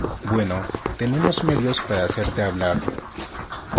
Bueno, tenemos medios para hacerte hablar.